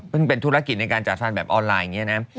เป็นธุรกิจในการจัดฟันแบบออนไลน์อย่างนี้นะ